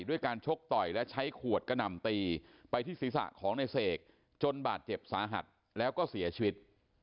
ด้วยการชกต่อยและใช้ขวดกระหน่ำตีไปที่ศีรษะของในเสกจนบาดเจ็บสาหัสแล้วก็เสียชีวิต